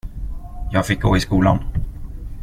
Jag fick gå i skolan.